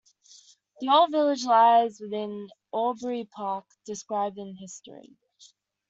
The old village lies within Albury Park, described in History.